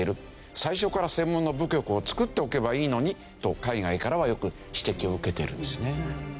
最初から専門の部局を作っておけばいいのにと海外からはよく指摘を受けてるんですね。